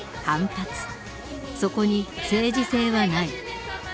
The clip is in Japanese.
そこに政治性はない。